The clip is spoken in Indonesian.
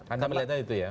anda melihatnya itu ya